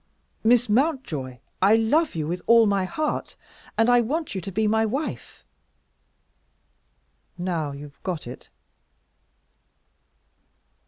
Miss Mountjoy, I love you with all my heart, and I want you to be my wife. Now you've got it!"